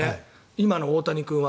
今の大谷君は。